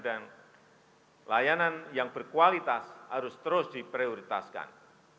layanan yang berkualitas harus terus diprioritaskan